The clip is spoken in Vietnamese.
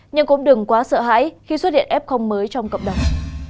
nhưng cũng đừng quá sợ hãi khi xuất hiện f mới trong cộng đồng